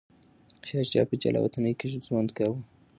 شاه شجاع په جلاوطنۍ کي ژوند کاوه.